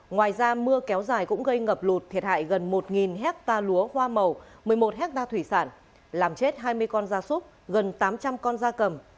ngoài ra mưa kéo dài cũng gây ngập lụt thiệt hại gần một hectare lúa hoa màu một mươi một hectare thủy sản làm chết hai mươi con da súc gần tám trăm linh con da cầm